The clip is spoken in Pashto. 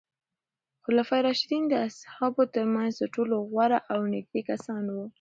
خلفای راشدین د اصحابو ترمنځ تر ټولو غوره او نږدې کسان وو.